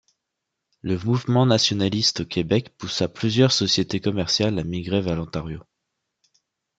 Le mouvement nationaliste au Québec poussa plusieurs sociétés commerciales à migrer vers l'Ontario.